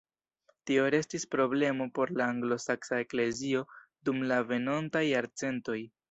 Tio restis problemo por la anglosaksa eklezio dum la venontaj jarcentoj.